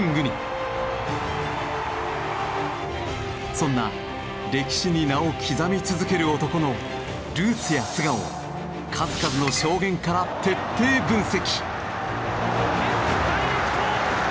そんな歴史に名を刻み続ける男のルーツや素顔を数々の証言から徹底分析。